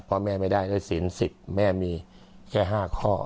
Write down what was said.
พ่อแม่ไม่ได้เลยสิน๑๐แม่มีแค่๕ข้อ